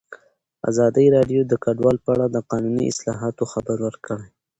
ازادي راډیو د کډوال په اړه د قانوني اصلاحاتو خبر ورکړی.